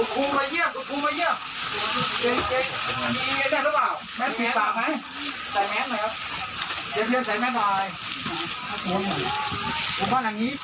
ก็จะให้สองชุดอ่ะ